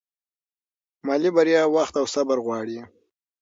مالي بریا وخت او صبر غواړي.